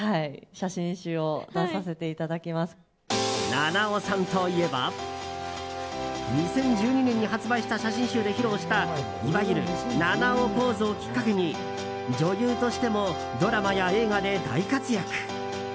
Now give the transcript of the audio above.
菜々緒さんといえば２０１２年に発売した写真集で披露したいわゆる菜々緒ポーズをきっかけに女優としてもドラマや映画で大活躍。